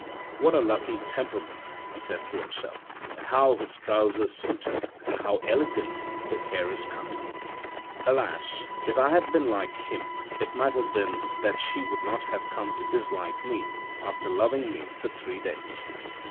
" What a lucky temperament," he said to himself, " and how his trousers suit him and how elegantly his hair is cut ! Alas, if I had been like him, it might have been that she would not have come to dislike me after loving me for three days."